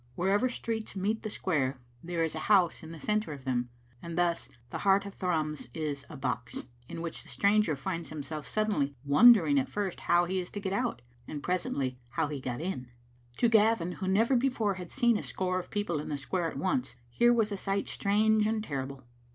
Wherever streets meet the square there is a house in the centre of them, and thus the heart of Thrums is a box, in which the stranger finds himself suddenly, wondering at first how he is to get out, and presently how he got in. To Gavin, who never before had seen a score of peo ple in the square at once, here was a sight strange and terrible.